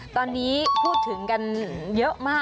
ตอนนี้พูดถึงกันเยอะมาก